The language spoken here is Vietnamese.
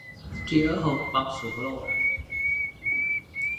Trĩa hột bắp xuống lỗ